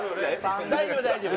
大丈夫大丈夫。